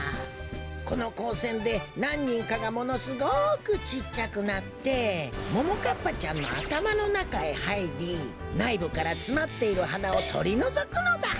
このこうせんでなんにんかがものすごくちっちゃくなってももかっぱちゃんのあたまのなかへはいりないぶからつまっている花をとりのぞくのだ。